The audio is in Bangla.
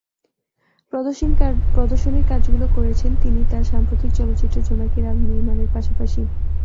প্রদর্শনীর কাজগুলো করেছেন তিনি তাঁর সাম্প্রতিক চলচ্চিত্র জোনাকির আলো নির্মাণের পাশাপাশি।